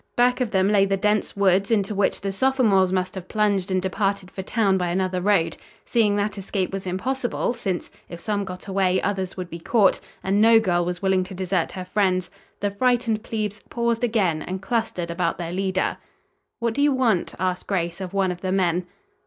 Back of them lay the dense woods into which the sophomores must have plunged and departed for town by another road. Seeing that escape was impossible, since, if some got away, others would be caught and no girl was willing to desert her friends the frightened plebes paused again and clustered about their leader. "What do you want?" asked Grace of one of the men.